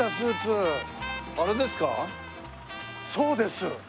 そうです。